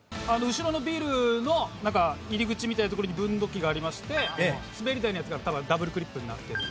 後ろのビルの入り口みたいな所に分度器がありまして滑り台のやつがダブルクリップになってる。